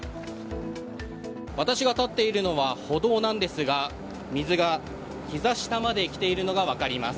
私が立っているのは歩道なんですが水がひざ下まで来ているのが分かります。